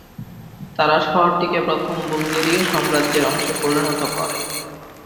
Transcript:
তারা শহরটিকে প্রথম বুলগেরীয় সাম্রাজ্যের অংশে পরিণত করে।